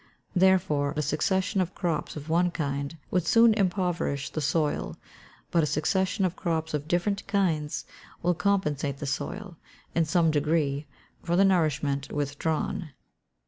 Therefore a succession of crops of one kind would soon impoverish the soil; but a succession of crops of different kinds will compensate the soil, in some degree, for the nourishment withdrawn.